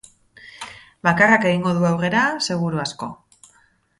Bakarrak egingo du aurrera, seguru asko.